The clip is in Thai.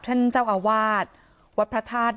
ท่านเจ้าอาวาสวัดพระธาตุ